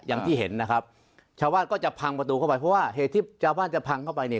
อย่างที่เห็นนะครับชาวบ้านก็จะพังประตูเข้าไปเพราะว่าเหตุที่ชาวบ้านจะพังเข้าไปเนี่ย